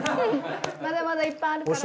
まだまだいっぱいあるから。